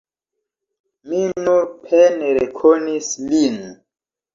Mi nur pene rekonis lin.